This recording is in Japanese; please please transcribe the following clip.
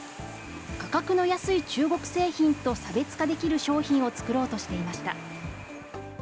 価格の安い中国製品と差別化できる商品を作ろうとしていました。